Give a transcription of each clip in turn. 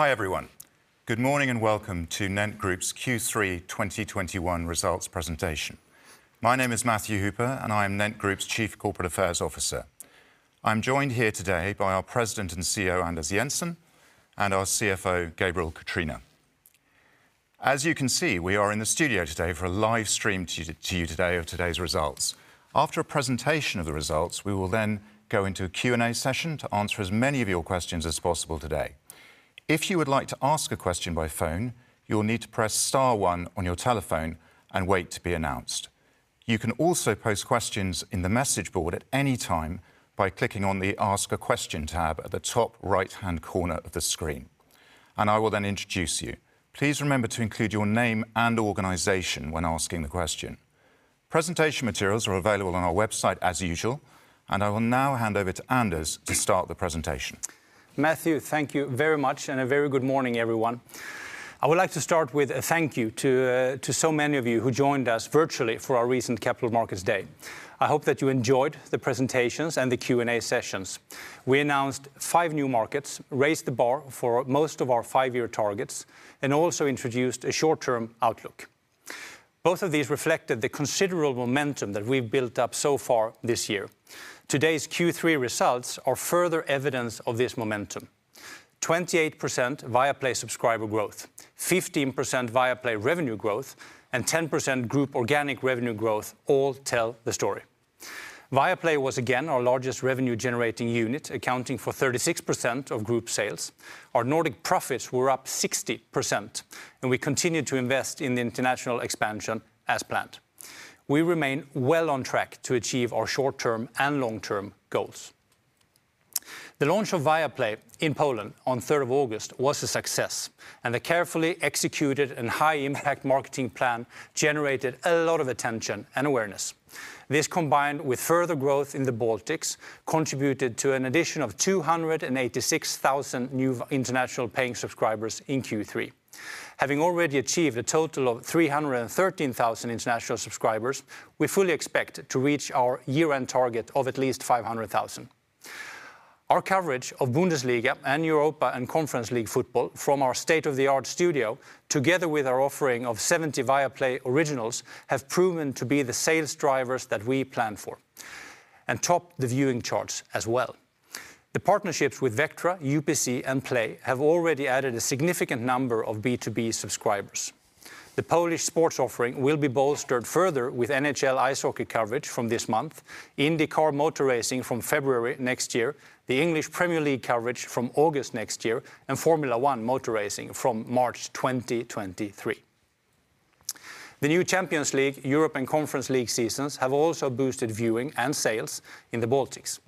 Hi, everyone. Good morning, and welcome to NENT Group's Q3 2021 results presentation. My name is Matthew Hooper, and I am NENT Group's Chief Corporate Affairs Officer. I'm joined here today by our President and CEO, Anders Jensen, and our CFO, Gabriel Catrina. As you can see, we are in the studio today for a live stream to you today of today's results. After a presentation of the results, we will then go into a Q&A session to answer as many of your questions as possible today. If you would like to ask a question by phone, you will need to press star one on your telephone and wait to be announced. You can also post questions in the message board at any time by clicking on the Ask a Question tab at the top right-hand corner of the screen, and I will then introduce you. Please remember to include your name and organization when asking the question. Presentation materials are available on our website as usual, and I will now hand over to Anders to start the presentation. Matthew, thank you very much, and a very good morning, everyone. I would like to start with a thank you to so many of you who joined us virtually for our recent Capital Markets Day. I hope that you enjoyed the presentations and the Q&A sessions. We announced five new markets, raised the bar for most of our five-year targets, and also introduced a short-term outlook. Both of these reflected the considerable momentum that we've built up so far this year. Today's Q3 results are further evidence of this momentum. 28% Viaplay subscriber growth, 15% Viaplay revenue growth, and 10% group organic revenue growth all tell the story. Viaplay was again our largest revenue-generating unit, accounting for 36% of group sales. Our Nordic profits were up 60%, and we continued to invest in the international expansion as planned. We remain well on track to achieve our short-term and long-term goals. The launch of Viaplay in Poland on August 3 was a success, and the carefully executed and high-impact marketing plan generated a lot of attention and awareness. This, combined with further growth in the Baltics, contributed to an addition of 286,000 new international paying subscribers in Q3. Having already achieved a total of 313,000 international subscribers, we fully expect to reach our year-end target of at least 500,000. Our coverage of Bundesliga and Europa League and Conference League football from our state-of-the-art studio, together with our offering of 70 Viaplay originals, have proven to be the sales drivers that we planned for and topped the viewing charts as well. The partnerships with Vectra, UPC, and Play have already added a significant number of B2B subscribers. The Polish sports offering will be bolstered further with NHL ice hockey coverage from this month, IndyCar motor racing from February next year, the English Premier League coverage from August next year, and Formula One motor racing from March 2023. The new Champions League, Europa League and Conference League seasons have also boosted viewing and sales in the Baltics,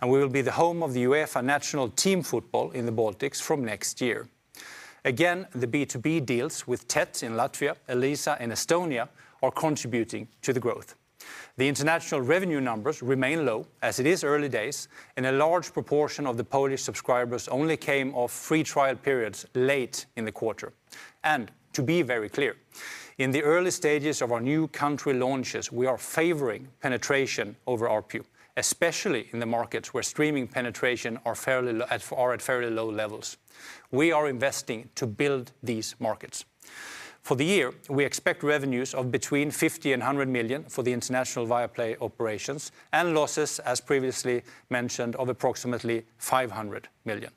and we will be the home of the UEFA national team football in the Baltics from next year. The B2B deals with Tet in Latvia, Elisa in Estonia, are contributing to the growth. The international revenue numbers remain low as it is early days, and a large proportion of the Polish subscribers only came off free trial periods late in the quarter. To be very clear, in the early stages of our new country launches, we are favoring penetration over ARPU, especially in the markets where streaming penetration are fairly low at are at fairly low levels. We are investing to build these markets. For the year, we expect revenues of between 50 million and 100 million for the international Viaplay operations and losses, as previously mentioned, of approximately 500 million.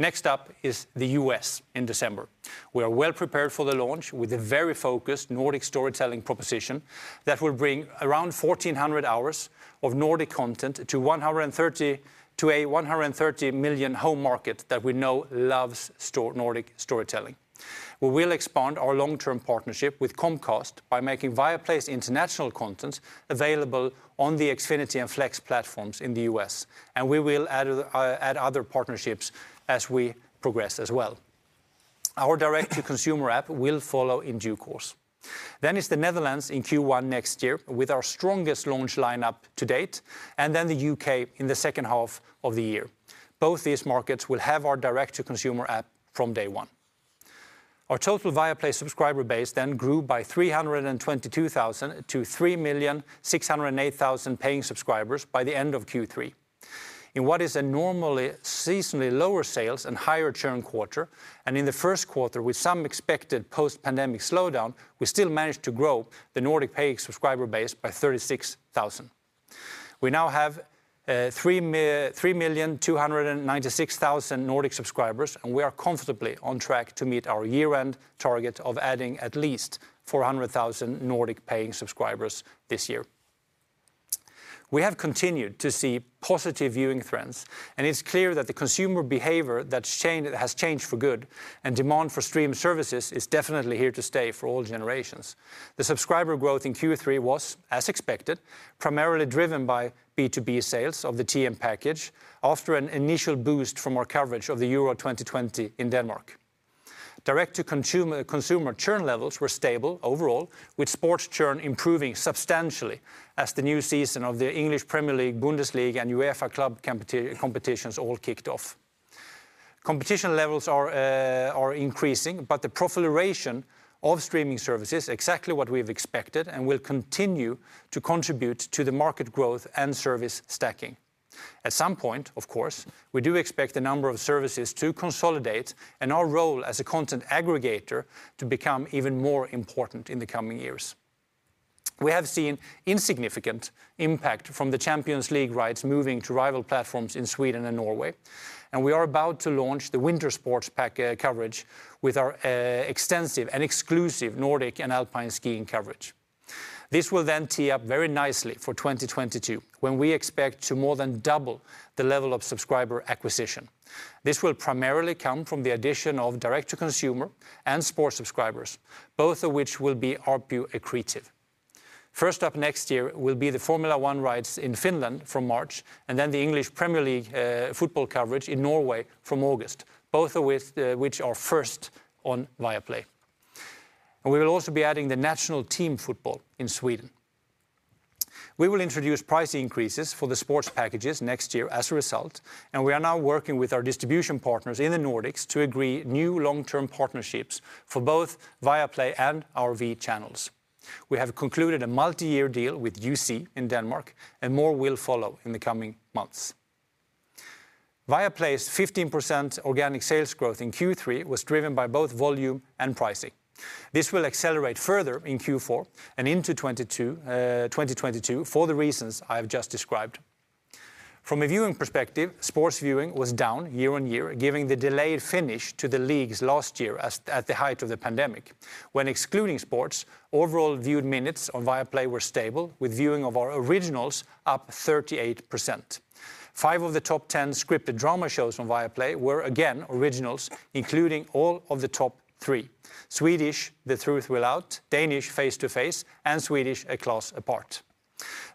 Next up is the U.S. in December. We are well prepared for the launch with a very focused Nordic storytelling proposition that will bring around 1,400 hours of Nordic content to a 130 million home market that we know loves Nordic storytelling. We will expand our long-term partnership with Comcast by making Viaplay's international content available on the Xfinity and Flex platforms in the U.S., and we will add other partnerships as we progress as well. Our direct-to-consumer app will follow in due course. It's the Netherlands in Q1 next year with our strongest launch lineup to date, and then the U.K. in the H2 of the year. Both these markets will have our direct-to-consumer app from day one. Our total Viaplay subscriber base then grew by 322,000 to 3,608,000 paying subscribers by the end of Q3. In what is normally a seasonally lower sales and higher churn quarter, and in the Q1 with some expected post-pandemic slowdown, we still managed to grow the Nordic paying subscriber base by 36,000. We now have 3,296,000 Nordic subscribers, and we are comfortably on track to meet our year-end target of adding at least 400,000 Nordic paying subscribers this year. We have continued to see positive viewing trends, and it's clear that the consumer behavior that's changed for good, and demand for streaming services is definitely here to stay for all generations. The subscriber growth in Q3 was, as expected, primarily driven by B2B sales of the TM package after an initial boost from our coverage of the Euro 2020 in Denmark. Direct-to-consumer consumer churn levels were stable overall, with sports churn improving substantially as the new season of the English Premier League, Bundesliga, and UEFA club competitions all kicked off. Competition levels are increasing, but the proliferation of streaming services, exactly what we've expected, and will continue to contribute to the market growth and service stacking. At some point, of course, we do expect the number of services to consolidate, and our role as a content aggregator to become even more important in the coming years. We have seen insignificant impact from the Champions League rights moving to rival platforms in Sweden and Norway, and we are about to launch the Winter Sports Pack coverage with our extensive and exclusive Nordic and Alpine skiing coverage. This will then tee up very nicely for 2022 when we expect to more than double the level of subscriber acquisition. This will primarily come from the addition of direct to consumer and sports subscribers, both of which will be ARPU accretive. First up next year will be the Formula One rights in Finland from March and then the Premier League football coverage in Norway from August, both of which are first on Viaplay. We will also be adding the national team football in Sweden. We will introduce price increases for the sports packages next year as a result, and we are now working with our distribution partners in the Nordics to agree new long-term partnerships for both Viaplay and our V channels. We have concluded a multi-year deal with YouSee in Denmark, and more will follow in the coming months. Viaplay's 15% organic sales growth in Q3 was driven by both volume and pricing. This will accelerate further in Q4 and into 2022, for the reasons I have just described. From a viewing perspective, sports viewing was down year-on-year, given the delayed finish to the leagues last year as at the height of the pandemic. When excluding sports, overall viewed minutes on Viaplay were stable with viewing of our originals up 38%. Five of the top 10 scripted drama shows on Viaplay were again originals, including all of the top three: Swedish The Truth Will Out, Danish Face to Face, and Swedish A Class Apart.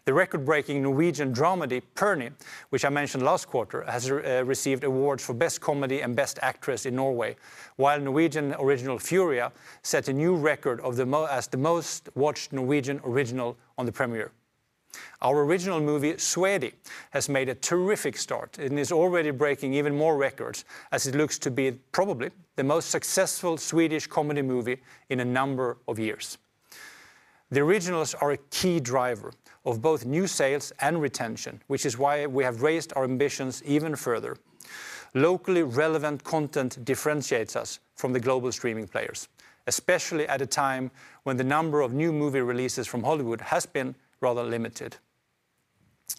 The record-breaking Norwegian dramedy Pernille, which I mentioned last quarter, has received awards for best comedy and best actress in Norway, while Norwegian original Furia set a new record as the most-watched Norwegian original on the premiere. Our original movie, Sweat, has made a terrific start and is already breaking even more records as it looks to be probably the most successful Swedish comedy movie in a number of years. The originals are a key driver of both new sales and retention, which is why we have raised our ambitions even further. Locally relevant content differentiates us from the global streaming players, especially at a time when the number of new movie releases from Hollywood has been rather limited.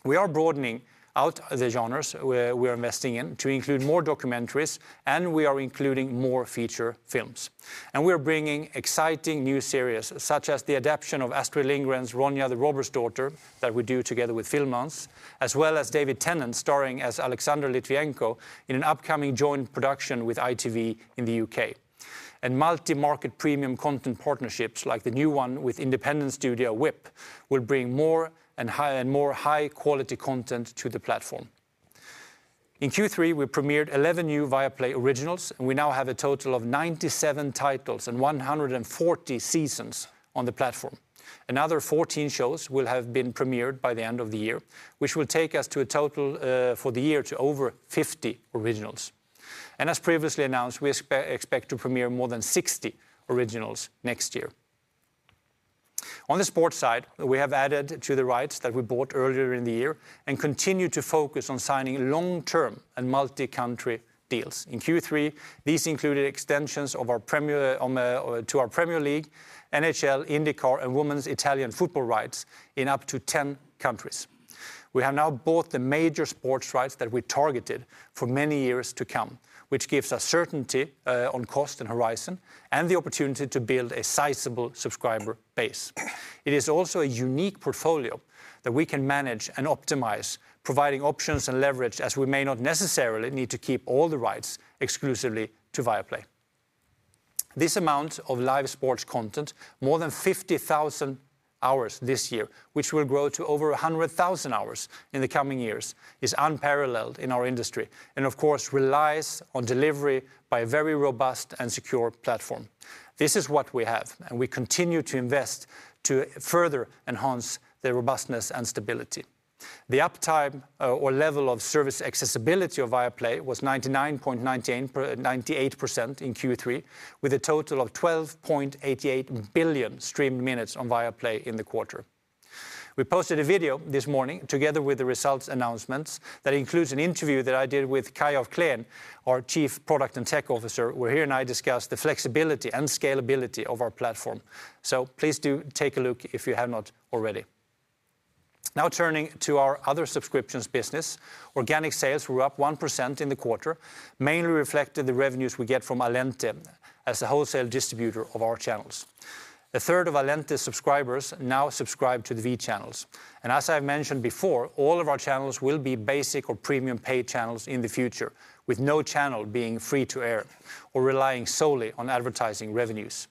We are broadening out the genres we're investing in to include more documentaries, and we are including more feature films. We are bringing exciting new series, such as the adaptation of Astrid Lindgren's Ronja the Robber's Daughter that we do together with Film i Väst, as well as David Tennant starring as Alexander Litvinenko in an upcoming joint production with ITV in the U.K. Multi-market premium content partnerships, like the new one with independent studio wiip, will bring more and higher quality content to the platform. In Q3, we premiered 11 new Viaplay originals, and we now have a total of 97 titles and 140 seasons on the platform. Another 14 shows will have been premiered by the end of the year, which will take us to a total for the year to over 50 originals. As previously announced, we expect to premiere more than 60 originals next year. On the sports side, we have added to the rights that we bought earlier in the year and continue to focus on signing long-term and multi-country deals. In Q3, these included extensions to our Premier League, NHL, IndyCar, and women's Italian football rights in up to 10 countries. We have now bought the major sports rights that we targeted for many years to come, which gives us certainty on cost and horizon and the opportunity to build a sizable subscriber base. It is also a unique portfolio that we can manage and optimize, providing options and leverage as we may not necessarily need to keep all the rights exclusively to Viaplay. This amount of live sports content, more than 50,000 hours this year, which will grow to over 100,000 hours in the coming years, is unparalleled in our industry and, of course, relies on delivery by a very robust and secure platform. This is what we have, and we continue to invest to further enhance the robustness and stability. The uptime or level of service accessibility of Viaplay was 98% in Q3 with a total of 12.88 billion streamed minutes on Viaplay in the quarter. We posted a video this morning together with the results announcements that includes an interview that I did with Kaj af Kleen, our Chief Product and Tech Officer, where he and I discussed the flexibility and scalability of our platform. Please do take a look if you have not already. Now turning to our other subscriptions business, organic sales were up 1% in the quarter, mainly reflecting the revenues we get from Allente as a wholesale distributor of our channels. A third of Allente subscribers now subscribe to the V channels, and as I mentioned before, all of our channels will be basic or premium paid channels in the future with no channel being free to air or relying solely on advertising revenues.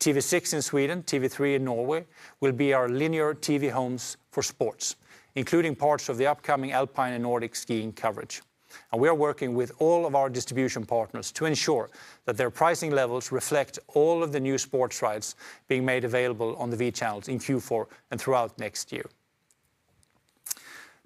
TV6 in Sweden, TV3 in Norway will be our linear TV homes for sports, including parts of the upcoming Alpine and Nordic skiing coverage. We are working with all of our distribution partners to ensure that their pricing levels reflect all of the new sports rights being made available on the V channels in Q4 and throughout next year.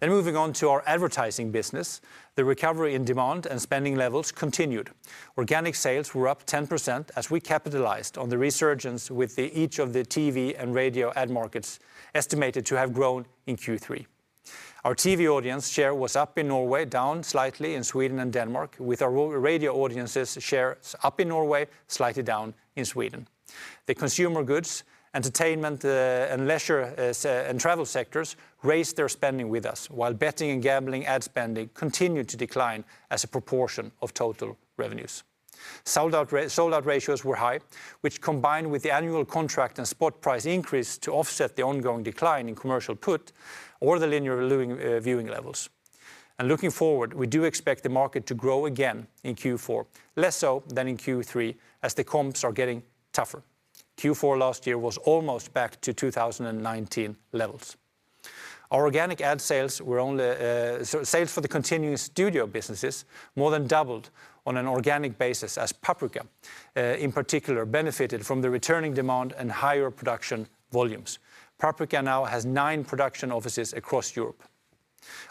Moving on to our advertising business, the recovery in demand and spending levels continued. Organic sales were up 10% as we capitalized on the resurgence with each of the TV and radio ad markets estimated to have grown in Q3. Our TV audience share was up in Norway, down slightly in Sweden and Denmark, with our radio audience's share up in Norway, slightly down in Sweden. The consumer goods, entertainment, and leisure and travel sectors raised their spending with us, while betting and gambling ad spending continued to decline as a proportion of total revenues. Sold-out ratios were high, which combined with the annual contract and spot price increase to offset the ongoing decline in commercial PUT or the linear viewing levels. Looking forward, we do expect the market to grow again in Q4, less so than in Q3, as the comps are getting tougher. Q4 last year was almost back to 2019 levels. Sales for the continuing studio businesses more than doubled on an organic basis, as Paprika in particular benefited from the returning demand and higher production volumes. Paprika now has nine production offices across Europe.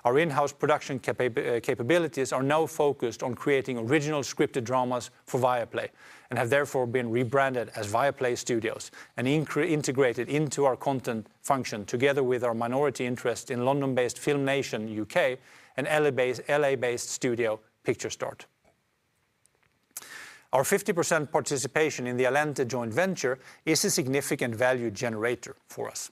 Our in-house production capabilities are now focused on creating original scripted dramas for Viaplay and have therefore been rebranded as Viaplay Studios and integrated into our content function together with our minority interest in London-based FilmNation UK and LA-based studio Picturestart. Our 50% participation in the Allente joint venture is a significant value generator for us.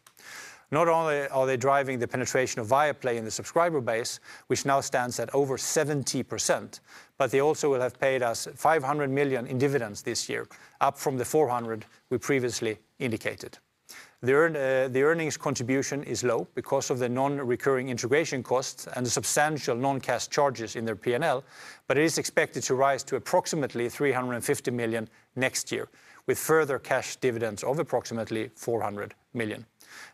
Not only are they driving the penetration of Viaplay in the subscriber base, which now stands at over 70%, but they also will have paid us 500 million in dividends this year, up from the 400 million we previously indicated. The earnings contribution is low because of the non-recurring integration costs and the substantial non-cash charges in their P&L, but it is expected to rise to approximately 350 million next year, with further cash dividends of approximately 400 million.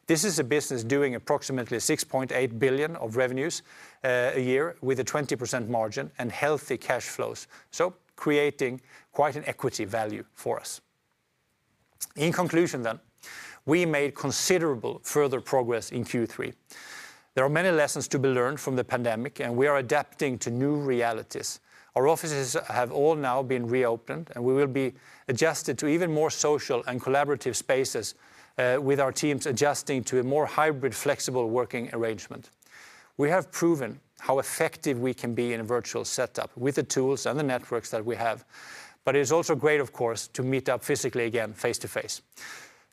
This is a business doing approximately 6.8 billion of revenues a year with a 20% margin and healthy cash flows, so creating quite an equity value for us. In conclusion, we made considerable further progress in Q3. There are many lessons to be learned from the pandemic, and we are adapting to new realities. Our offices have all now been reopened, and we will be adjusted to even more social and collaborative spaces, with our teams adjusting to a more hybrid, flexible working arrangement. We have proven how effective we can be in a virtual setup with the tools and the networks that we have, but it is also great, of course, to meet up physically again face to face.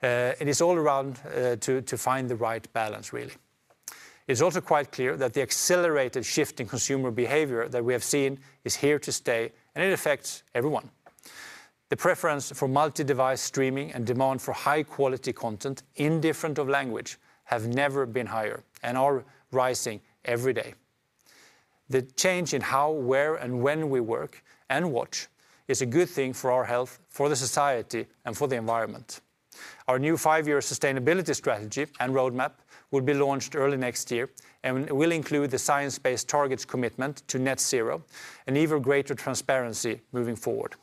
It's all around to find the right balance, really. It's also quite clear that the accelerated shift in consumer behavior that we have seen is here to stay, and it affects everyone. The preference for multi-device streaming and demand for high-quality content, independent of language, have never been higher and are rising every day. The change in how, where, and when we work and watch is a good thing for our health, for the society, and for the environment. Our new 5-year sustainability strategy and roadmap will be launched early next year and will include the science-based targets commitment to net zero and even greater transparency moving forward.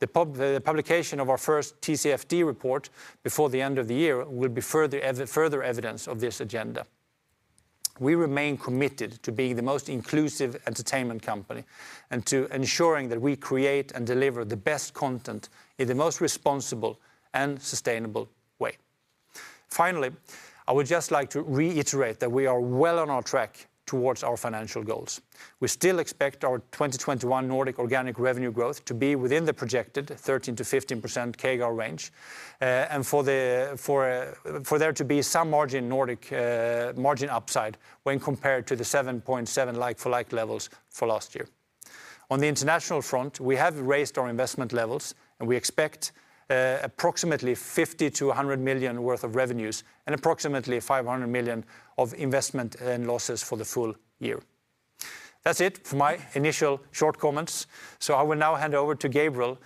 The publication of our first TCFD report before the end of the year will be further evidence of this agenda. We remain committed to being the most inclusive entertainment company and to ensuring that we create and deliver the best content in the most responsible and sustainable way. Finally, I would just like to reiterate that we are well on track towards our financial goals. We still expect our 2021 Nordic organic revenue growth to be within the projected 13%-15% CAGR range, and for there to be some Nordic margin upside when compared to the 7.7 like-for-like levels for last year. On the international front, we have raised our investment levels, and we expect approximately 50 million-100 million worth of revenues and approximately 500 million of investment and losses for the full year. That's it for my initial short comments. I will now hand over to Gabriel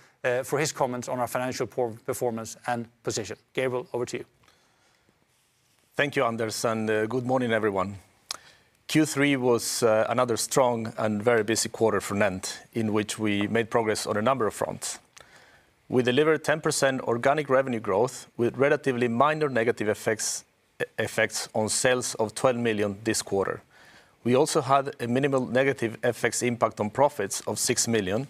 for his comments on our financial performance and position. Gabriel, over to you. Thank you, Anders, and good morning, everyone. Q3 was another strong and very busy quarter for NENT, in which we made progress on a number of fronts. We delivered 10% organic revenue growth with relatively minor negative effects on sales of 12 million this quarter. We also had a minimal negative effects impact on profits of 6 million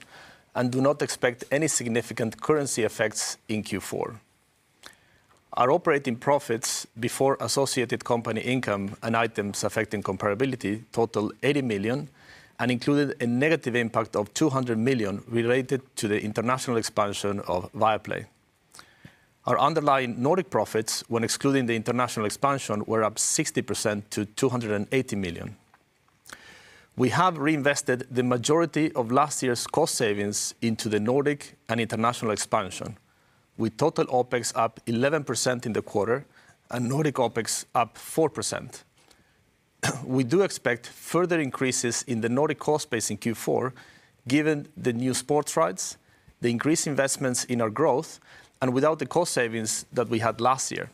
and do not expect any significant currency effects in Q4. Our operating profits before associated company income and items affecting comparability totaled 80 million and included a negative impact of 200 million related to the international expansion of Viaplay. Our underlying Nordic profits, when excluding the international expansion, were up 60% to 280 million. We have reinvested the majority of last year's cost savings into the Nordic and international expansion, with total OpEx up 11% in the quarter and Nordic OpEx up 4%. We do expect further increases in the Nordic cost base in Q4, given the new sports rights, the increased investments in our growth, and without the cost savings that we had last year.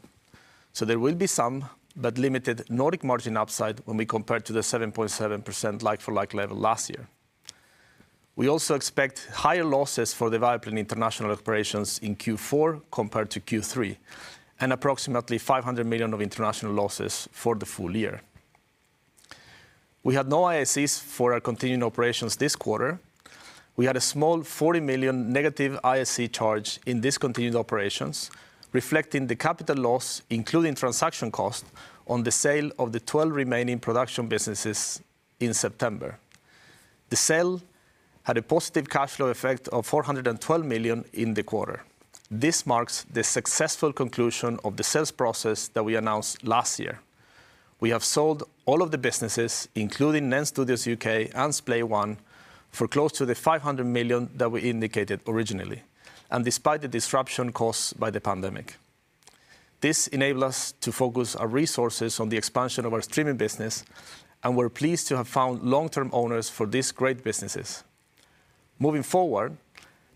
There will be some, but limited, Nordic margin upside when we compare to the 7.7% like-for-like level last year. We also expect higher losses for the Viaplay international operations in Q4 compared to Q3 and approximately 500 million of international losses for the full year. We had no IACs for our continuing operations this quarter. We had a small 40 million negative IAC charge in discontinued operations, reflecting the capital loss, including transaction cost on the sale of the 12 remaining production businesses in September. The sale had a positive cash flow effect of 412 million in the quarter. This marks the successful conclusion of the sales process that we announced last year. We have sold all of the businesses, including NENT Studios UK and Splay One, for close to the 500 million that we indicated originally, and despite the disruption caused by the pandemic. This enable us to focus our resources on the expansion of our streaming business, and we're pleased to have found long-term owners for these great businesses. Moving forward,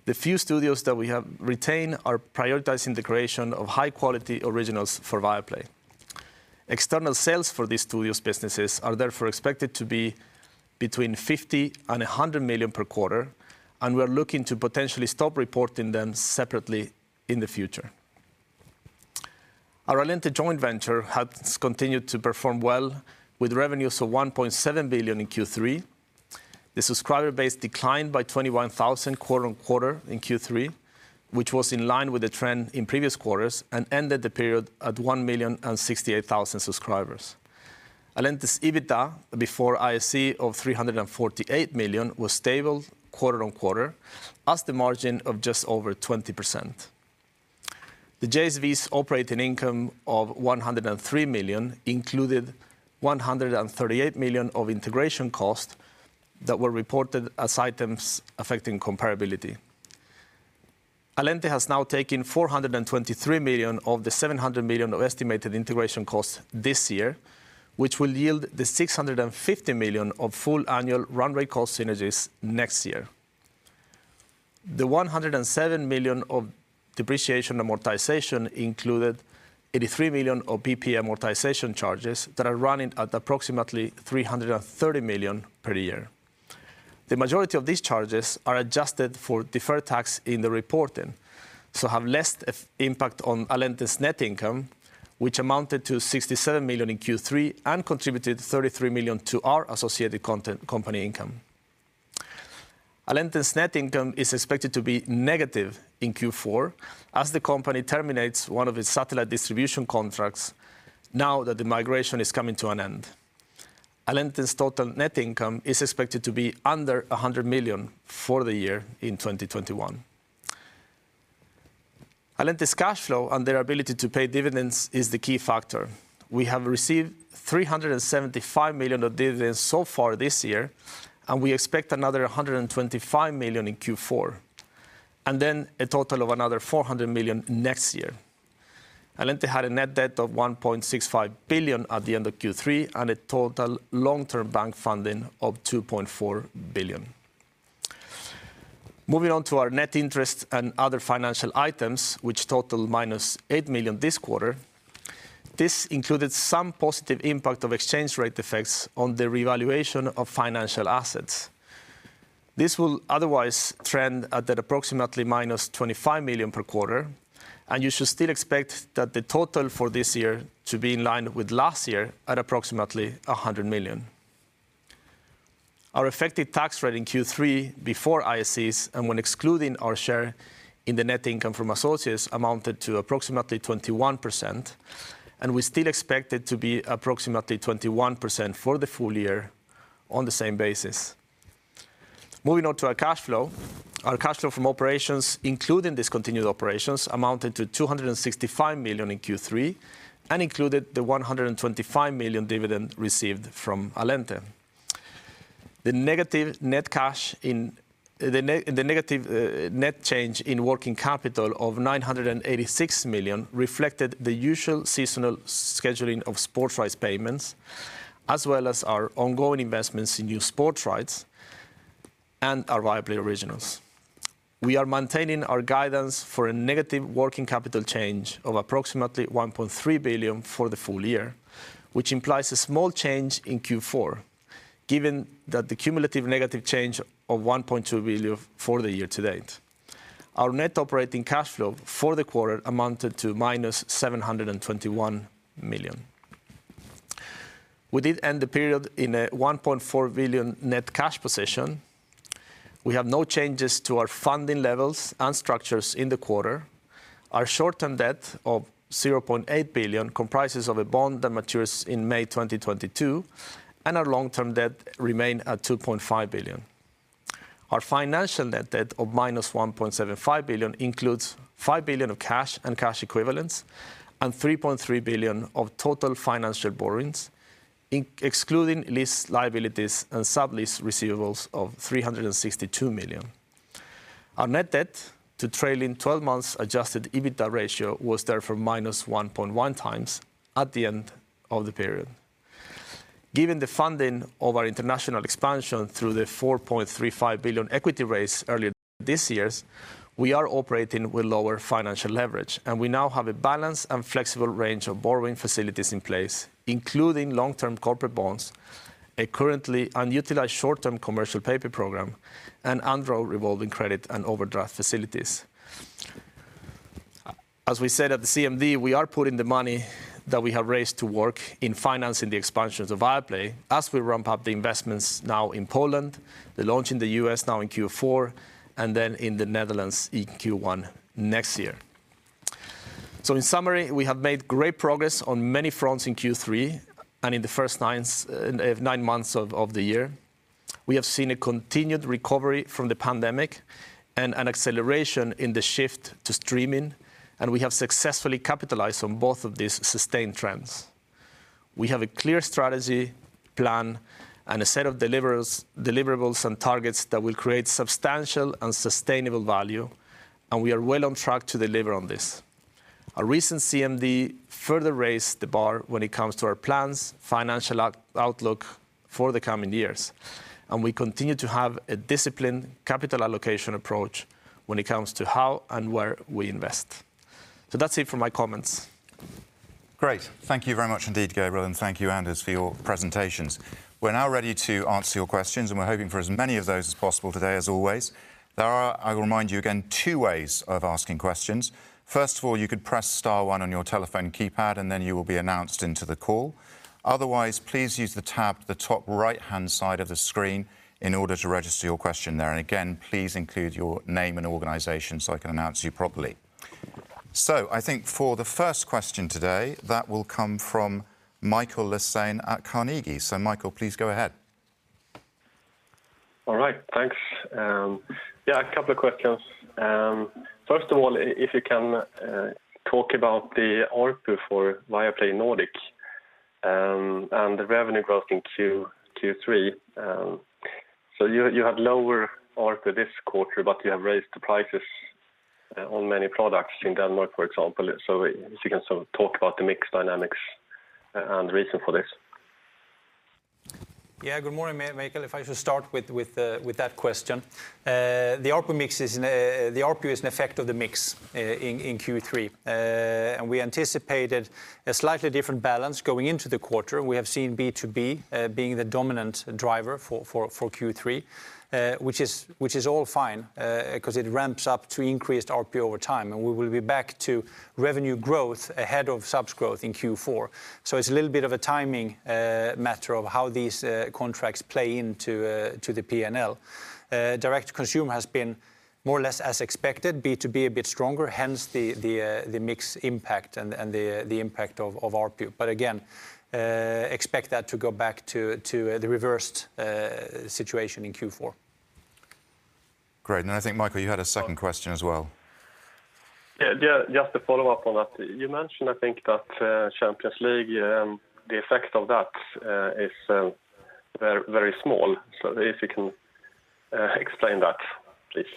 the few studios that we have retained are prioritizing the creation of high-quality originals for Viaplay. External sales for these studios businesses are therefore expected to be between 50 million and 100 million per quarter, and we are looking to potentially stop reporting them separately in the future. Our Allente joint venture has continued to perform well with revenues of 1.7 billion in Q3. The subscriber base declined by 21,000 quarter-on-quarter in Q3, which was in line with the trend in previous quarters and ended the period at 1,068,000 subscribers. Allente's EBITDA before IEC of 348 million was stable quarter-on-quarter as the margin of just over 20%. The JV's operating income of 103 million included 138 million of integration costs that were reported as Items Affecting Comparability. Allente has now taken 423 million of the 700 million of estimated integration costs this year, which will yield the 650 million of full annual run rate cost synergies next year. The 107 million of depreciation amortization included 83 million of PPM amortization charges that are running at approximately 330 million per year. The majority of these charges are adjusted for deferred tax in the reporting, so have less impact on Allente's net income, which amounted to 67 million in Q3 and contributed 33 million to our associated content company income. Allente's net income is expected to be negative in Q4 as the company terminates one of its satellite distribution contracts now that the migration is coming to an end. Allente's total net income is expected to be under 100 million for the year in 2021. Allente's cash flow and their ability to pay dividends is the key factor. We have received 375 million of dividends so far this year, and we expect another 125 million in Q4, and then a total of another 400 million next year. Allente had a net debt of 1.65 billion at the end of Q3 and a total long-term bank funding of 2.4 billion. Moving on to our net interest and other financial items, which total -8 million this quarter. This included some positive impact of exchange rate effects on the revaluation of financial assets. This will otherwise trend at approximately -25 million per quarter, and you should still expect that the total for this year to be in line with last year at approximately 100 million. Our effective tax rate in Q3 before IACs and when excluding our share in the net income from associates amounted to approximately 21%, and we still expect it to be approximately 21% for the full year on the same basis. Moving on to our cash flow. Our cash flow from operations, including discontinued operations, amounted to 265 million in Q3 and included the 125 million dividend received from Allente. The negative net change in working capital of 986 million reflected the usual seasonal scheduling of sports rights payments, as well as our ongoing investments in new sports rights and our Viaplay originals. We are maintaining our guidance for a negative working capital change of approximately 1.3 billion for the full year, which implies a small change in Q4, given that the cumulative negative change of 1.2 billion for the year to date. Our net operating cash flow for the quarter amounted to -721 million. We did end the period in a 1.4 billion net cash position. We have no changes to our funding levels and structures in the quarter. Our short-term debt of 0.8 billion comprises of a bond that matures in May 2022, and our long-term debt remain at 2.5 billion. Our financial net debt of -1.75 billion includes 5 billion of cash and cash equivalents and 3.3 billion of total financial borrowings excluding lease liabilities and sublease receivables of 362 million. Our net debt to trailing twelve months adjusted EBITDA ratio was therefore -1.1 times at the end of the period. Given the funding of our international expansion through the 4.35 billion equity raise earlier this year, we are operating with lower financial leverage, and we now have a balanced and flexible range of borrowing facilities in place, including long-term corporate bonds, a currently unutilized short-term commercial paper program, and undrawn revolving credit and overdraft facilities. As we said at the CMD, we are putting the money that we have raised to work in financing the expansions of Viaplay as we ramp up the investments now in Poland, the launch in the U.S. now in Q4, and then in the Netherlands in Q1 next year. In summary, we have made great progress on many fronts in Q3 and in the first nine months of the year. We have seen a continued recovery from the pandemic and an acceleration in the shift to streaming, and we have successfully capitalized on both of these sustained trends. We have a clear strategy plan and a set of deliverables and targets that will create substantial and sustainable value, and we are well on track to deliver on this. Our recent CMD further raised the bar when it comes to our plans, financial outlook for the coming years, and we continue to have a disciplined capital allocation approach when it comes to how and where we invest. That's it for my comments. Great. Thank you very much indeed, Gabriel, and thank you, Anders, for your presentations. We're now ready to answer your questions, and we're hoping for as many of those as possible today, as always. There are, I will remind you again, two ways of asking questions. First of all, you could press star one on your telephone keypad and then you will be announced into the call. Otherwise, please use the tab at the top right-hand side of the screen in order to register your question there. Again, please include your name and organization so I can announce you properly. I think for the first question today, that will come from Mikael Laséen at Carnegie. Mikael, please go ahead. All right. Thanks. A couple of questions. First of all, if you can talk about the ARPU for Viaplay Nordic and the revenue growth in Q3. You had lower ARPU this quarter, but you have raised the prices on many products in Denmark, for example. If you can sort of talk about the mix dynamics and reason for this. Good morning, Michael. If I should start with that question. The ARPU mix is an effect of the mix in Q3. We anticipated a slightly different balance going into the quarter. We have seen B2B being the dominant driver for Q3, which is all fine, 'cause it ramps up to increased ARPU over time, and we will be back to revenue growth ahead of subs growth in Q4. It's a little bit of a timing matter of how these contracts play into the P&L. Direct to consumer has been more or less as expected, B2B a bit stronger, hence the mix impact and the impact of ARPU. Again, expect that to go back to the reversed situation in Q4. Great. I think, Mikael, you had a second question as well. Yeah. Yeah, just to follow up on that. You mentioned, I think, that Champions League, the effect of that, is very, very small. If you can explain that, please.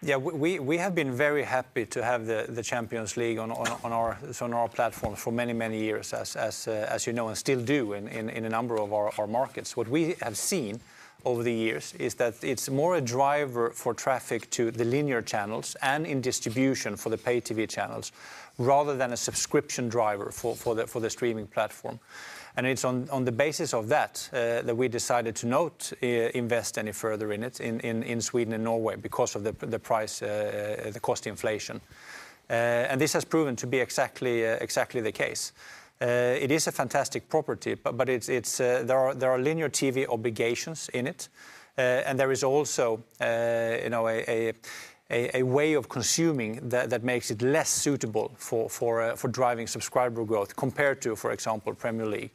Yeah. We have been very happy to have the Champions League on our platform for many years as you know, and still do in a number of our markets. What we have seen over the years is that it's more a driver for traffic to the linear channels and in distribution for the pay TV channels rather than a subscription driver for the streaming platform. It's on the basis of that that we decided to not invest any further in it in Sweden and Norway because of the price, the cost inflation. This has proven to be exactly the case. It is a fantastic property, but there are linear TV obligations in it. There is also, you know, a way of consuming that that makes it less suitable for driving subscriber growth compared to, for example, Premier League,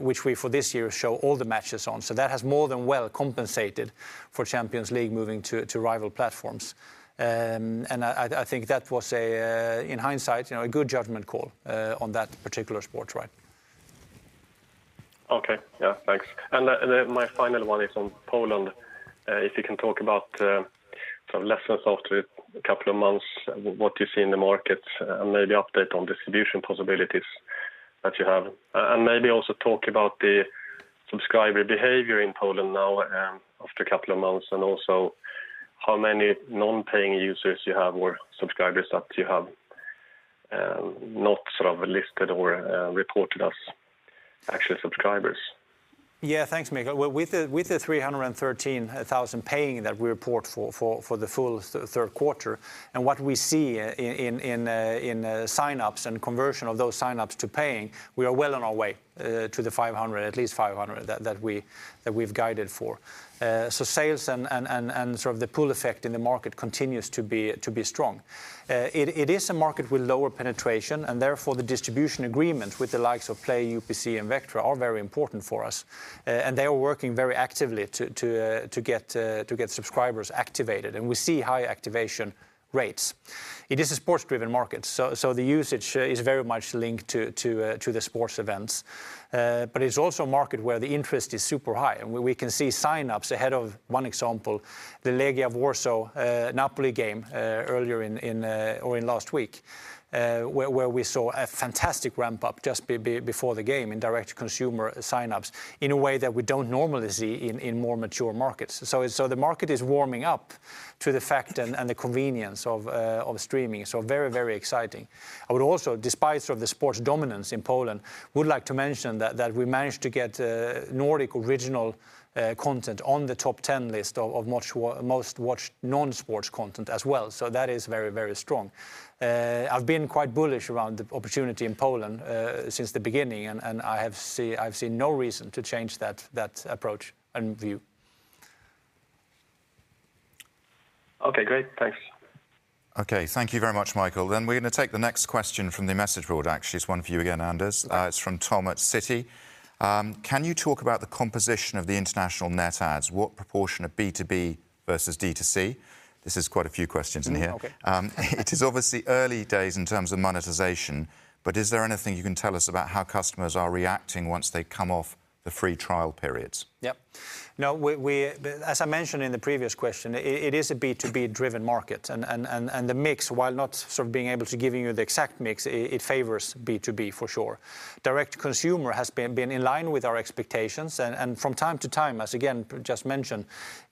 which we for this year show all the matches on. That has more than well compensated for Champions League moving to rival platforms. I think that was, in hindsight, you know, a good judgment call on that particular sports right. Okay. Yeah, thanks. Then my final one is on Poland. If you can talk about some lessons after a couple of months, what you see in the market, maybe update on distribution possibilities that you have, and maybe also talk about the subscriber behavior in Poland now, after a couple of months, and also how many non-paying users you have or subscribers that you have, not sort of listed or reported as actual subscribers. Yeah. Thanks, Michael. Well, with the 313,000 paying that we report for the full Q3, and what we see in sign-ups and conversion of those sign-ups to paying, we are well on our way to the 500,000, at least 500,000 that we've guided for. Sales and sort of the pull effect in the market continues to be strong. It is a market with lower penetration, and therefore the distribution agreement with the likes of Play, UPC, and Vectra are very important for us. They are working very actively to get subscribers activated, and we see high activation rates. It is a sports-driven market, so the usage is very much linked to the sports events. But it's also a market where the interest is super high, and we can see sign-ups ahead of one example, the Legia Warsaw Napoli game earlier in or in last week, where we saw a fantastic ramp-up just before the game in direct consumer sign-ups in a way that we don't normally see in more mature markets. The market is warming up to the fact and the convenience of streaming. Very exciting. I would also, despite sort of the sports dominance in Poland, like to mention that we managed to get Nordic original content on the top 10 list of most watched non-sports content as well. That is very, very strong. I've been quite bullish around the opportunity in Poland since the beginning, and I've seen no reason to change that approach and view. Okay, great. Thanks. Okay, thank you very much, Michael. We're gonna take the next question from the message board, actually. It's one for you again, Anders. It's from Tom at Citi. Can you talk about the composition of the international net adds? What proportion of B2B versus D2C? This is quite a few questions in here. Mm-hmm. Okay. It is obviously early days in terms of monetization, but is there anything you can tell us about how customers are reacting once they come off the free trial periods? As I mentioned in the previous question, it is a B2B driven market and the mix, while not sort of being able to give you the exact mix, it favors B2B for sure. Direct to consumer has been in line with our expectations and from time to time, as again just mentioned,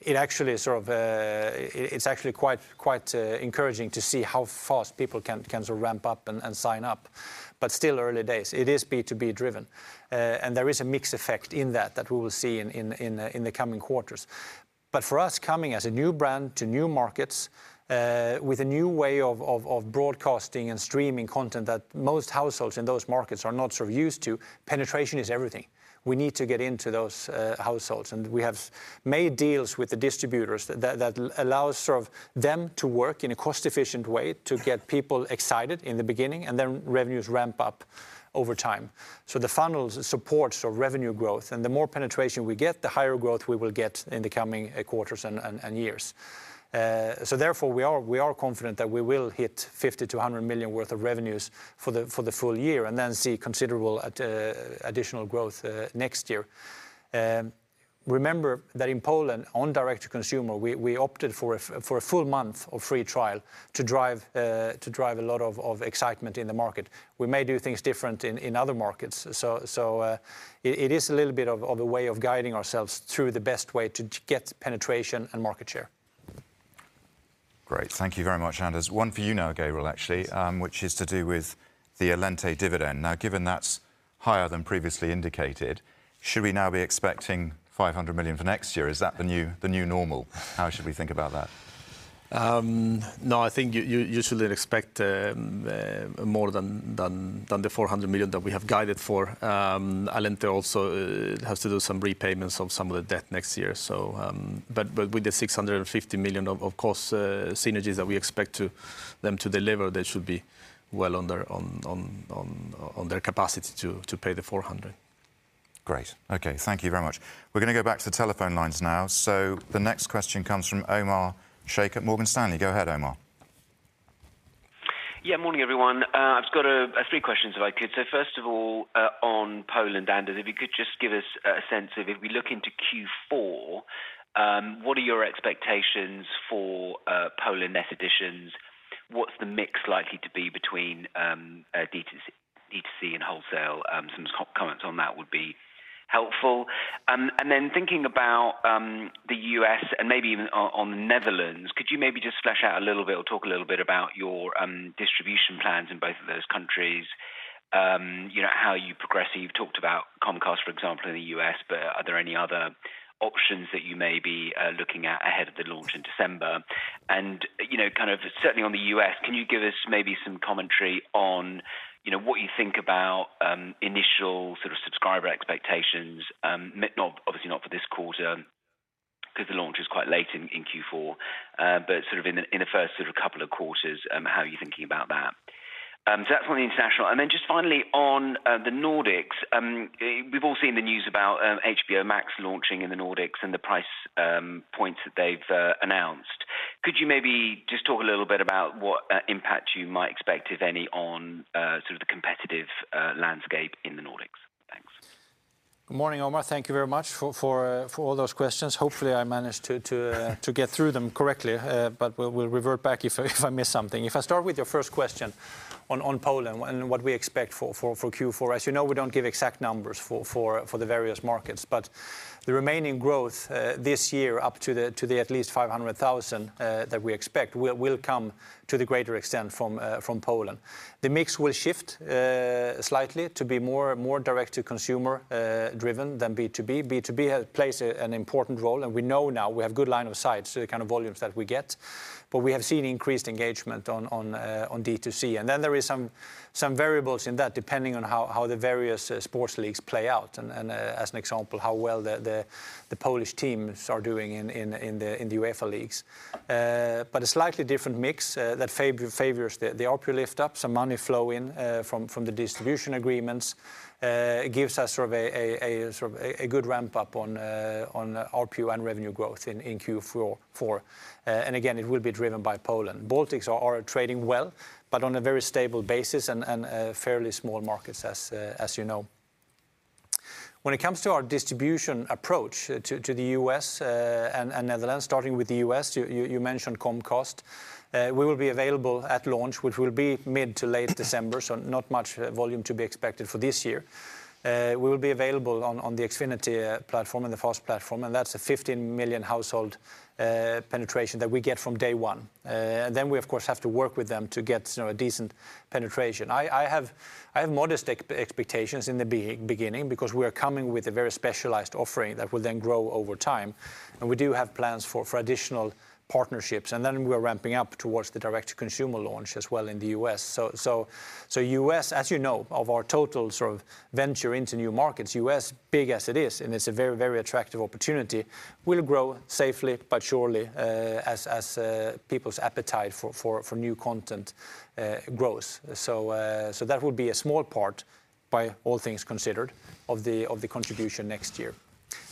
it actually sort of it's actually quite encouraging to see how fast people can sort of ramp up and sign up. Still early days. It is B2B driven. There is a mix effect in that we will see in the coming quarters. For us, coming as a new brand to new markets, with a new way of broadcasting and streaming content that most households in those markets are not sort of used to, penetration is everything. We need to get into those households, and we have made deals with the distributors that allows them to work in a cost-efficient way to get people excited in the beginning, and then revenues ramp up over time. The funnels supports our revenue growth, and the more penetration we get, the higher growth we will get in the coming quarters and years. Therefore, we are confident that we will hit 50 million-100 million worth of revenues for the full year and then see considerable additional growth next year. Remember that in Poland, on direct to consumer, we opted for a full month of free trial to drive a lot of excitement in the market. We may do things different in other markets, so it is a little bit of a way of guiding ourselves through the best way to get penetration and market share. Great. Thank you very much, Anders. One for you now, Gabriel, actually, which is to do with the Allente dividend. Now, given that's higher than previously indicated, should we now be expecting 500 million for next year? Is that the new normal? How should we think about that? No, I think you shouldn't expect more than 400 million that we have guided for. Allente also has to do some repayments of some of the debt next year. With the 650 million of course synergies that we expect to them to deliver, they should be well under on their capacity to pay the 400. Great. Okay. Thank you very much. We're gonna go back to the telephone lines now. The next question comes from Omar Sheikh at Morgan Stanley. Go ahead, Omar. Yeah, morning, everyone. I've got three questions, if I could. First of all, on Poland, Anders, if you could just give us a sense of if we look into Q4, what are your expectations for Poland net additions? What's the mix likely to be between D2C and wholesale? Some comments on that would be helpful. And then thinking about the U.S. and maybe even on the Netherlands, could you maybe just flesh out a little bit or talk a little bit about your distribution plans in both of those countries? You know, how you progress. You've talked about Comcast, for example, in the U.S., but are there any other options that you may be looking at ahead of the launch in December? You know, kind of certainly on the U.S., can you give us maybe some commentary on, you know, what you think about initial sort of subscriber expectations? Not, obviously not for this quarter because the launch is quite late in Q4, but sort of in the first sort of couple of quarters, how are you thinking about that? That's on the international. Just finally on the Nordics, we've all seen the news about HBO Max launching in the Nordics and the price points that they've announced. Could you maybe just talk a little bit about what impact you might expect, if any, on sort of the competitive landscape in the Nordics? Thanks. Good morning, Omar. Thank you very much for all those questions. Hopefully, I managed to get through them correctly. We'll revert back if I missed something. If I start with your first question on Poland and what we expect for Q4. As you know, we don't give exact numbers for the various markets. The remaining growth this year up to at least 500,000 that we expect will come to the greater extent from Poland. The mix will shift slightly to be more direct to consumer driven than B2B. B2B plays an important role, and we know now we have good line of sight to the kind of volumes that we get, but we have seen increased engagement on D2C. Then there is some variables in that depending on how the various sports leagues play out and as an example, how well the Polish teams are doing in the UEFA leagues. But a slightly different mix that favors the ARPU lift up, some money flow in from the distribution agreements, gives us sort of a good ramp-up on ARPU and revenue growth in Q4. It will be driven by Poland. Baltics are trading well, but on a very stable basis and fairly small markets as you know. When it comes to our distribution approach to the U.S. and Netherlands, starting with the U.S., you mentioned Comcast. We will be available at launch, which will be mid to late December, so not much volume to be expected for this year. We will be available on the Xfinity platform and the FAST platform, and that's a 15 million household penetration that we get from day one. Then we of course have to work with them to get, you know, a decent penetration. I have modest expectations in the beginning because we are coming with a very specialized offering that will then grow over time. We do have plans for additional partnerships, and then we're ramping up towards the direct consumer launch as well in the U.S. US, as you know, of our total sort of venture into new markets, US, big as it is, and it's a very, very attractive opportunity, will grow safely but surely, as people's appetite for new content grows. That would be a small part by all things considered of the contribution next year.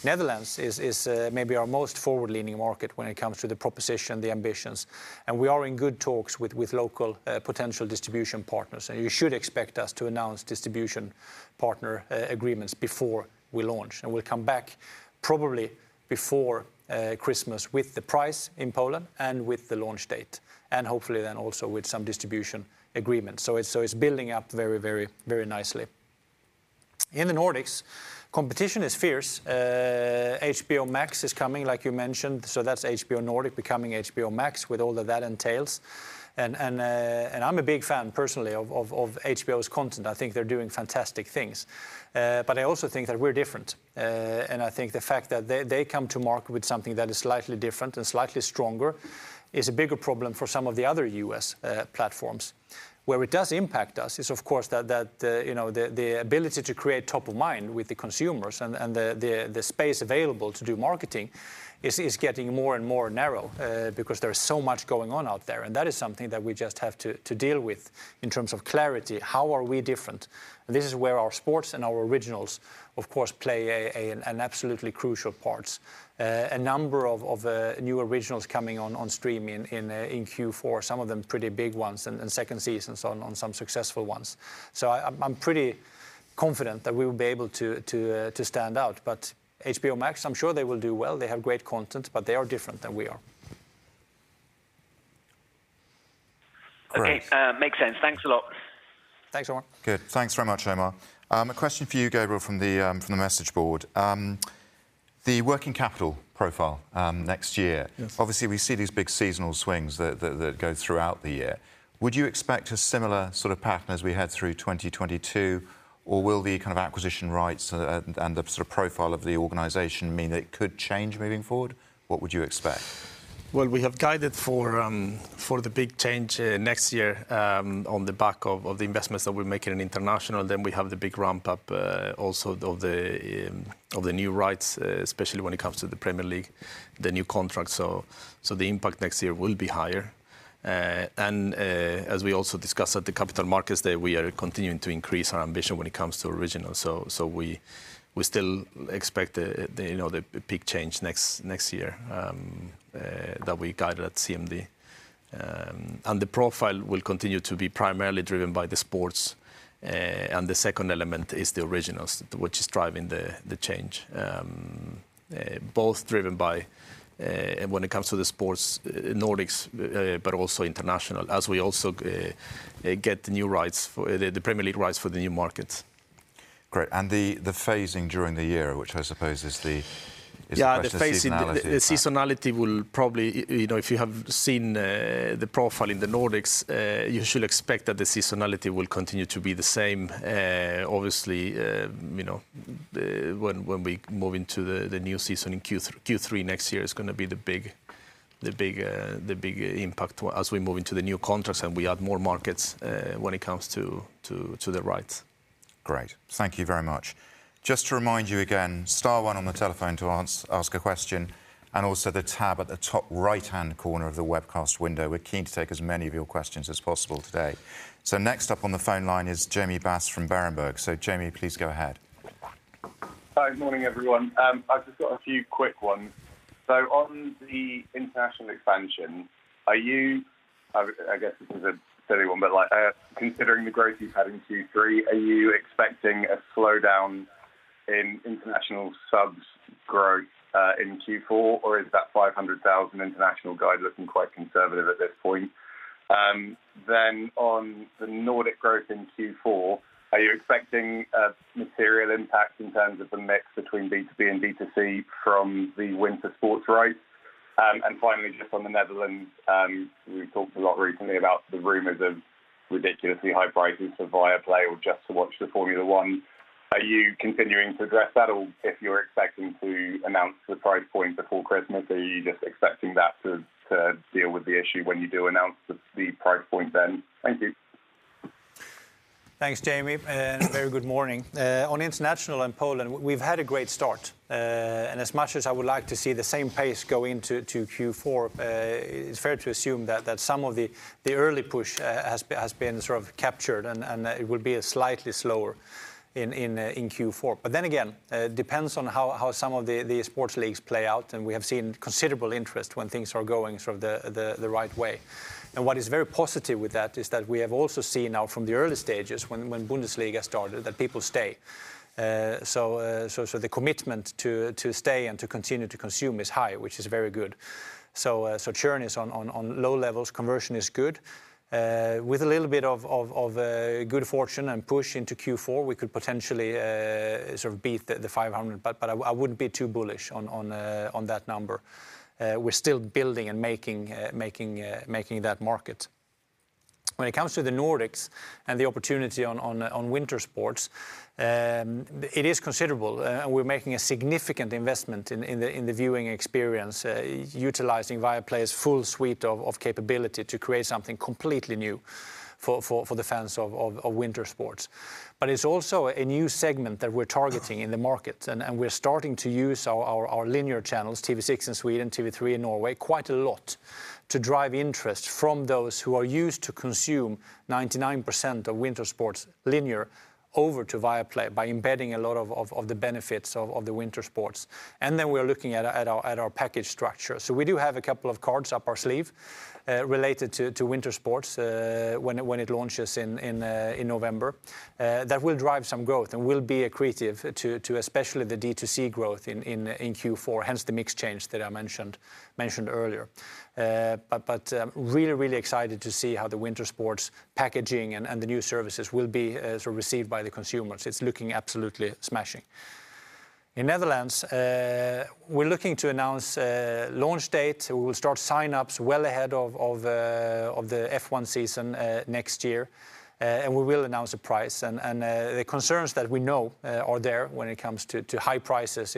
Netherlands is maybe our most forward-leaning market when it comes to the proposition, the ambitions, and we are in good talks with local potential distribution partners. You should expect us to announce distribution partner agreements before we launch. We'll come back probably before Christmas with the price in Poland and with the launch date, and hopefully then also with some distribution agreements. It's building up very nicely. In the Nordics, competition is fierce. HBO Max is coming, like you mentioned, so that's HBO Nordic becoming HBO Max with all that that entails. I'm a big fan personally of HBO's content. I think they're doing fantastic things. But I also think that we're different. I think the fact that they come to market with something that is slightly different and slightly stronger is a bigger problem for some of the other U.S. platforms. Where it does impact us is of course that you know the ability to create top of mind with the consumers and the space available to do marketing is getting more and more narrow because there is so much going on out there. That is something that we just have to deal with in terms of clarity. How are we different? This is where our sports and our originals of course play an absolutely crucial parts. A number of new originals coming on stream in Q4, some of them pretty big ones and second seasons on some successful ones. I'm pretty confident that we will be able to stand out. HBO Max, I'm sure they will do well. They have great content, but they are different than we are. Great. Okay. Makes sense. Thanks a lot. Thanks, Omar. Good. Thanks very much, Omar. A question for you, Gabriel, from the message board. The working capital profile next year- Yes. Obviously we see these big seasonal swings that go throughout the year. Would you expect a similar sort of pattern as we had through 2022, or will the kind of acquisition rights, and the sort of profile of the organization mean that it could change moving forward? What would you expect? Well, we have guided for the big change next year, on the back of the investments that we're making in international. We have the big ramp up also of the new rights, especially when it comes to the Premier League, the new contract. The impact next year will be higher. As we also discussed at the Capital Markets Day, we are continuing to increase our ambition when it comes to originals. We still expect the you know the peak change next year that we guided at CMD. The profile will continue to be primarily driven by the sports. The second element is the originals, which is driving the change. Both driven by, when it comes to the sports, Nordics, but also international as we also get the new rights for the Premier League rights for the new markets. Great. The phasing during the year, which I suppose is the- Yeah. It's the question of seasonality. The phasing, the seasonality will probably. You know, if you have seen the profile in the Nordics, you should expect that the seasonality will continue to be the same. Obviously, you know, when we move into the new season in Q3. Q3 next year is gonna be the big impact as we move into the new contracts and we add more markets, when it comes to the rights. Great. Thank you very much. Just to remind you again, star one on the telephone to ask a question, and also the tab at the top right-hand corner of the webcast window. We're keen to take as many of your questions as possible today. Next up on the phone line is Jamie Bass from Berenberg. Jamie, please go ahead. Hi. Morning, everyone. I've just got a few quick ones. On the international expansion, are you—I guess this is a silly one, but like, considering the growth you've had in Q3, expecting a slowdown in international subs growth in Q4, or is that 500,000 international guide looking quite conservative at this point? On the Nordic growth in Q4, are you expecting a material impact in terms of the mix between B2B and B2C from the winter sports rights? Finally, just on the Netherlands, we've talked a lot recently about the rumors of ridiculously high prices for Viaplay or just to watch the Formula One. Are you continuing to address that? If you're expecting to announce the price point before Christmas, are you just expecting that to deal with the issue when you do announce the price point then? Thank you. Thanks, Jamie, and a very good morning. On international and Poland, we've had a great start. As much as I would like to see the same pace go into Q4, it's fair to assume that some of the early push has been sort of captured and it will be slightly slower in Q4. It depends on how some of the sports leagues play out, and we have seen considerable interest when things are going sort of the right way. What is very positive with that is that we have also seen now from the early stages when Bundesliga started, that people stay. The commitment to stay and to continue to consume is high, which is very good. Churn is on low levels. Conversion is good. With a little bit of good fortune and push into Q4, we could potentially sort of beat the 500, but I wouldn't be too bullish on that number. We're still building and making that market. When it comes to the Nordics and the opportunity on winter sports, it is considerable, and we're making a significant investment in the viewing experience, utilizing Viaplay's full suite of capability to create something completely new for the fans of winter sports. It's also a new segment that we're targeting in the market, and we're starting to use our linear channels, TV6 in Sweden, TV3 in Norway, quite a lot to drive interest from those who are used to consume 99% of winter sports linear over to Viaplay by embedding a lot of the benefits of the winter sports. We are looking at our package structure. We do have a couple of cards up our sleeve related to winter sports when it launches in November that will drive some growth and will be accretive to especially the D2C growth in Q4, hence the mix change that I mentioned earlier. Really excited to see how the winter sports packaging and the new services will be sort of received by the consumers. It's looking absolutely smashing. In Netherlands, we're looking to announce a launch date. We will start signups well ahead of the F1 season next year. We will announce a price and the concerns that we know are there when it comes to high prices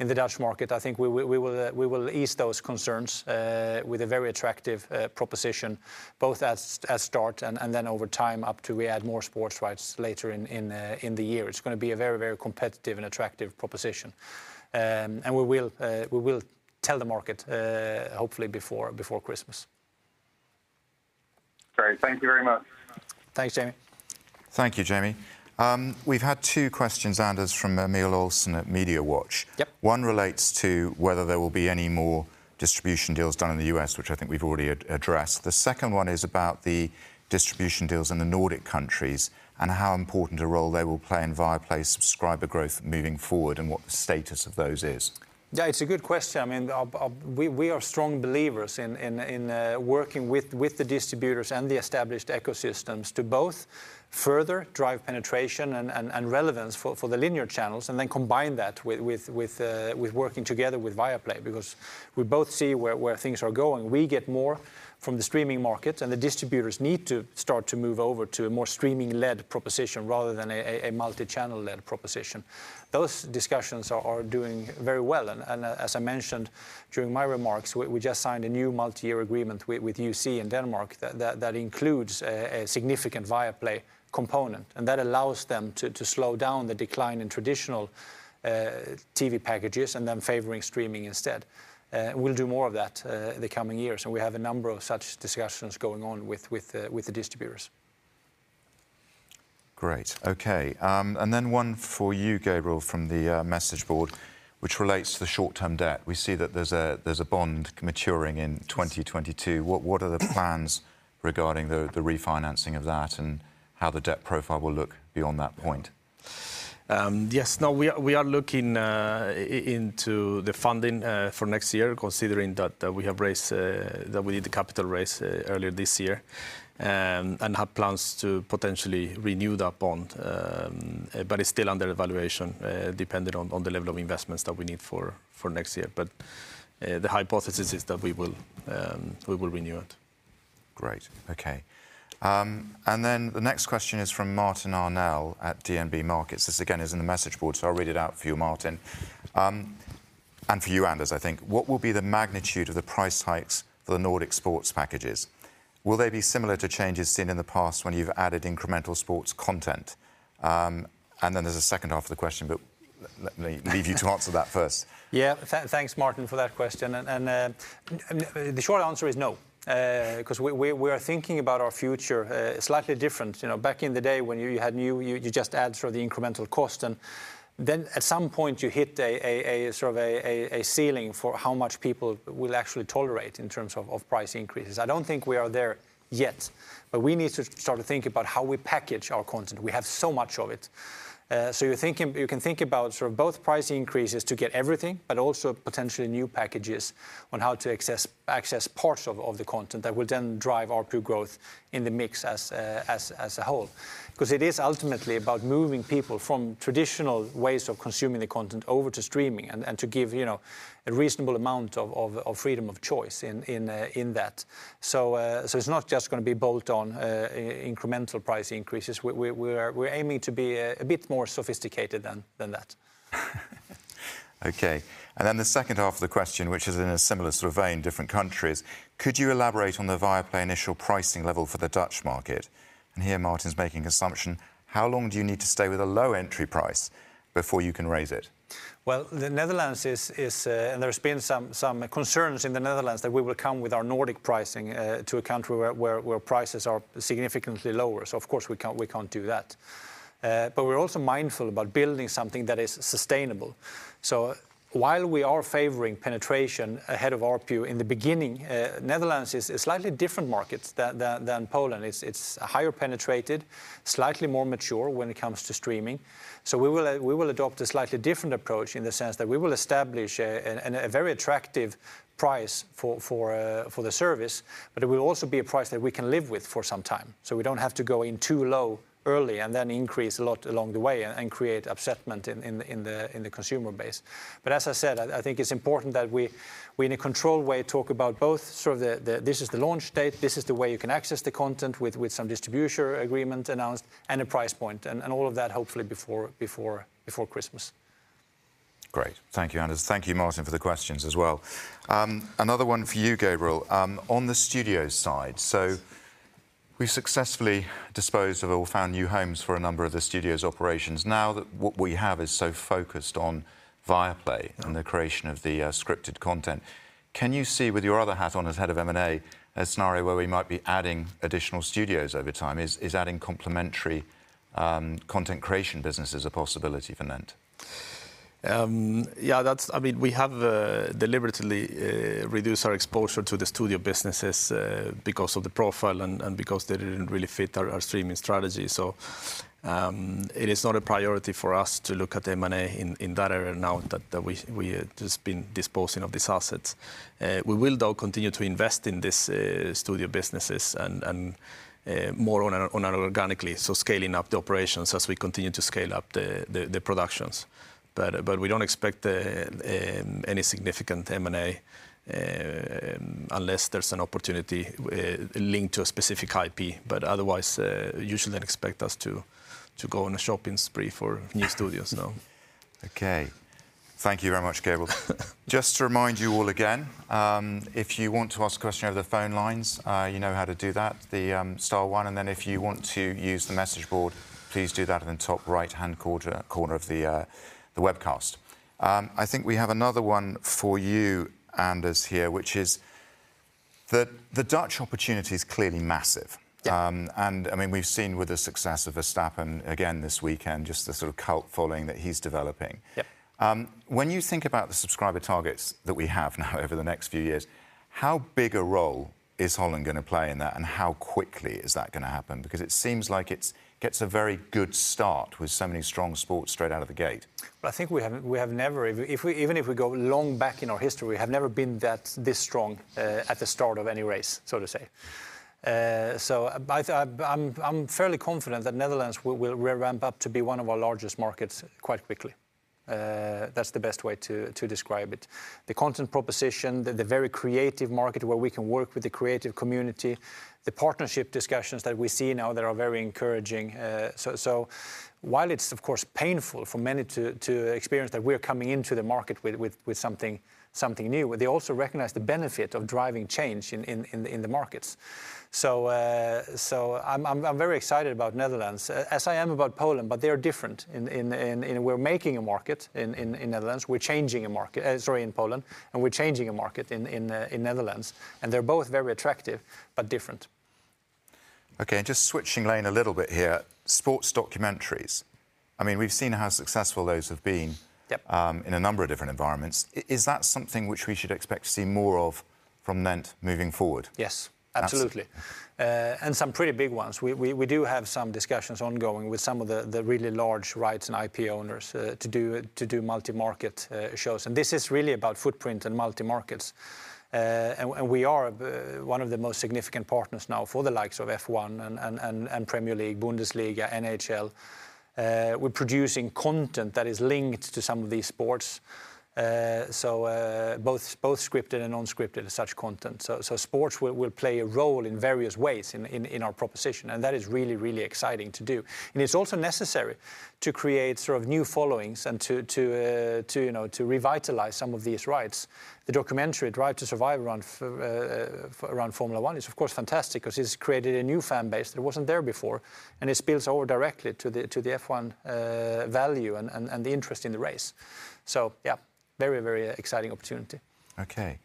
in the Dutch market. I think we will ease those concerns with a very attractive proposition, both at start and then over time up to we add more sports rights later in the year. It's gonna be a very competitive and attractive proposition. We will tell the market hopefully before Christmas. Great. Thank you very much. Thanks, Jamie. Thank you, Jamie. We've had two questions, Anders, from Emil Olsen at MediaWatch. Yep. One relates to whether there will be any more distribution deals done in the U.S., which I think we've already addressed. The second one is about the distribution deals in the Nordic countries and how important a role they will play in Viaplay's subscriber growth moving forward and what the status of those is. Yeah, it's a good question. I mean, we are strong believers in working with the distributors and the established ecosystems to both further drive penetration and relevance for the linear channels, and then combine that with working together with Viaplay because we both see where things are going. We get more from the streaming market, and the distributors need to start to move over to a more streaming-led proposition rather than a multichannel-led proposition. Those discussions are doing very well. As I mentioned during my remarks, we just signed a new multiyear agreement with YouSee in Denmark that includes a significant Viaplay component, and that allows them to slow down the decline in traditional TV packages and them favoring streaming instead. We'll do more of that in the coming years, and we have a number of such discussions going on with the distributors. Great. Okay. One for you, Gabriel, from the message board, which relates to the short-term debt. We see that there's a bond maturing in 2022. What are the plans regarding the refinancing of that and how the debt profile will look beyond that point? Yes. No, we are looking into the funding for next year, considering that we have raised that we did the capital raise earlier this year, and have plans to potentially renew that bond. It's still under evaluation, dependent on the level of investments that we need for next year. The hypothesis is that we will renew it. Great. Okay. And then the next question is from Martin Arnell at DNB Markets. This again is in the message board, so I'll read it out for you, Martin, and for you, Anders, I think. What will be the magnitude of the price hikes for the Nordic sports packages? Will they be similar to changes seen in the past when you've added incremental sports content? And then there's a H2 of the question, but let me leave you to answer that first. Yeah. Thanks, Martin, for that question. The short answer is no, 'cause we are thinking about our future slightly different. You know, back in the day when you had to, you just add sort of the incremental cost, and then at some point you hit a sort of ceiling for how much people will actually tolerate in terms of price increases. I don't think we are there yet, but we need to start to think about how we package our content. We have so much of it. You're thinking you can think about sort of both price increases to get everything, but also potentially new packages on how to access parts of the content that will then drive ARPU growth in the mix as a whole. 'Cause it is ultimately about moving people from traditional ways of consuming the content over to streaming and to give, you know, a reasonable amount of freedom of choice in that. It's not just gonna be bolt-on incremental price increases. We're aiming to be a bit more sophisticated than that. Okay. Then the H2 of the question, which is in a similar sort of vein, different countries, could you elaborate on the Viaplay initial pricing level for the Dutch market? Here Martin's making assumption, how long do you need to stay with a low entry price before you can raise it? Well, the Netherlands is. There's been some concerns in the Netherlands that we will come with our Nordic pricing to a country where prices are significantly lower. Of course we can't do that. We're also mindful about building something that is sustainable. While we are favoring penetration ahead of ARPU in the beginning, the Netherlands is a slightly different market than Poland. It's higher penetration, slightly more mature when it comes to streaming. We will adopt a slightly different approach in the sense that we will establish a very attractive price for the service, but it will also be a price that we can live with for some time, so we don't have to go in too low early and then increase a lot along the way and create disappointment in the consumer base. As I said, I think it's important that we in a controlled way talk about both sort of the this is the launch date, this is the way you can access the content with some distribution agreement announced and a price point and all of that hopefully before Christmas. Great. Thank you, Anders. Thank you, Martin, for the questions as well. Another one for you, Gabriel. On the studio side, we successfully disposed of or found new homes for a number of the studio's operations. Now that what we have is so focused on Viaplay. Mm the creation of the scripted content, can you see with your other hat on as head of M&A a scenario where we might be adding additional studios over time? Is adding complementary content creation businesses a possibility for NENT? I mean, we have deliberately reduced our exposure to the studio businesses because of the profile and because they didn't really fit our streaming strategy, so it is not a priority for us to look at M&A in that area now that we had just been disposing of these assets. We will though continue to invest in this studio businesses and more on organically, so scaling up the operations as we continue to scale up the productions. We don't expect any significant M&A unless there's an opportunity linked to a specific IP, but otherwise you shouldn't expect us to go on a shopping spree for new studios, no. Okay. Thank you very much, Gabriel. Just to remind you all again, if you want to ask a question over the phone lines, you know how to do that, the star 1, and then if you want to use the message board, please do that in the top right-hand corner of the webcast. I think we have another one for you, Anders, here, which is the Dutch opportunity is clearly massive. Yeah. I mean, we've seen with the success of Verstappen again this weekend, just the sort of cult following that he's developing. Yeah. When you think about the subscriber targets that we have now over the next few years, how big a role is Holland gonna play in that, and how quickly is that gonna happen? Because it seems like it gets a very good start with so many strong sports straight out of the gate. Well, I think we have never, even if we go long back in our history, we have never been this strong at the start of any race, so to say. I'm fairly confident that Netherlands will ramp up to be one of our largest markets quite quickly. That's the best way to describe it. The content proposition, the very creative market where we can work with the creative community, the partnership discussions that we see now that are very encouraging. While it's of course painful for many to experience that we're coming into the market with something new, they also recognize the benefit of driving change in the markets. I'm very excited about Netherlands, as I am about Poland, but they are different. We're changing a market in Poland, and we're changing a market in Netherlands, and they're both very attractive but different. Okay, just switching lane a little bit here, sports documentaries, I mean, we've seen how successful those have been. Yep... in a number of different environments. Is that something which we should expect to see more of from NENT moving forward? Yes. Absolutely. Some pretty big ones. We do have some discussions ongoing with some of the really large rights and IP owners to do multi-market shows, and this is really about footprint and multi-markets. We are one of the most significant partners now for the likes of F1 and Premier League, Bundesliga, NHL. We're producing content that is linked to some of these sports, so both scripted and unscripted as such content. Sports will play a role in various ways in our proposition, and that is really exciting to do. It's also necessary to create sort of new followings and to you know to revitalize some of these rights. The documentary, Drive to Survive, around Formula 1 is of course fantastic because it's created a new fan base that wasn't there before, and it spills over directly to the F1 value and the interest in the race. Yeah, very, very exciting opportunity. Okay.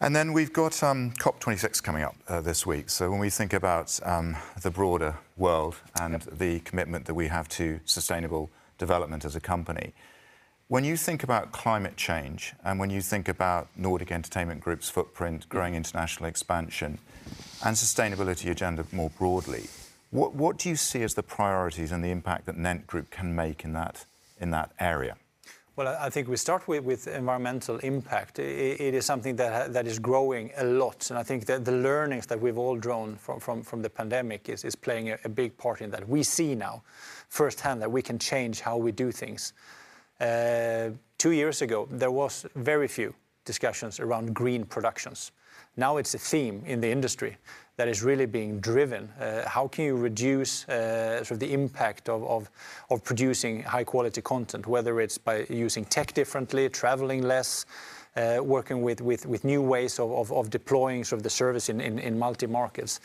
We've got COP26 coming up this week. When we think about the broader world. Yeah the commitment that we have to sustainable development as a company, when you think about climate change, and when you think about Nordic Entertainment Group's footprint growing international expansion and sustainability agenda more broadly, what do you see as the priorities and the impact that NENT Group can make in that area? Well, I think we start with environmental impact. It is something that is growing a lot. I think the learnings that we've all drawn from the pandemic is playing a big part in that. We see now firsthand that we can change how we do things. Two years ago, there was very few discussions around green productions. Now it's a theme in the industry that is really being driven. How can you reduce sort of the impact of producing high quality content, whether it's by using tech differently, traveling less, working with new ways of deploying sort of the service in multi-markets?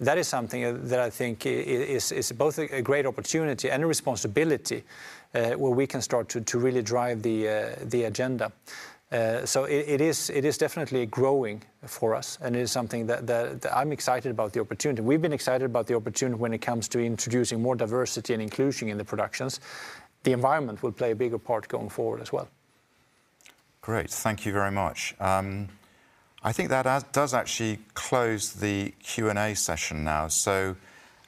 That is something that I think is both a great opportunity and a responsibility where we can start to really drive the agenda. It is definitely growing for us and is something that I'm excited about the opportunity. We've been excited about the opportunity when it comes to introducing more diversity and inclusion in the productions. The environment will play a bigger part going forward as well. Great. Thank you very much. I think that does actually close the Q&A session now.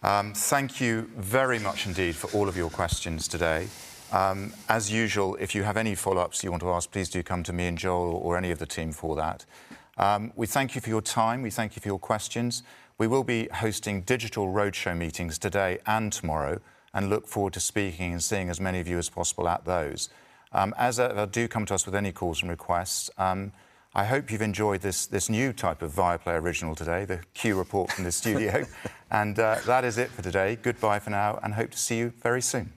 Thank you very much indeed for all of your questions today. As usual, if you have any follow-ups you want to ask, please do come to me and Joel or any of the team for that. We thank you for your time. We thank you for your questions. We will be hosting digital roadshow meetings today and tomorrow, and look forward to speaking and seeing as many of you as possible at those. As ever, do come to us with any calls and requests. I hope you've enjoyed this new type of Viaplay Original today, the Q report from the studio. That is it for today. Goodbye for now, and hope to see you very soon.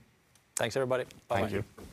Thanks everybody. Bye. Thank you.